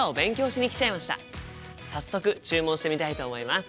早速注文してみたいと思います。